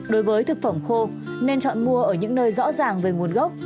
đối với thực phẩm khô nên chọn mua ở những nơi rõ ràng về nguồn gốc